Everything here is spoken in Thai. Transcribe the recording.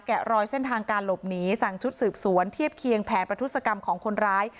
รอยเส้นทางการหลบหนีสั่งชุดสืบสวนเทียบเคียงแผนประทุศกรรมของคนร้าย